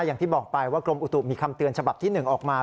อย่างที่บอกไปว่ากรมอุตุมีคำเตือนฉบับที่๑ออกมา